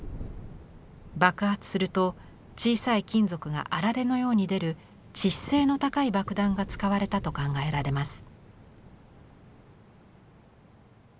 爆発すると小さい金属があられのように出る致死性の高い爆弾が使われたと考えられます。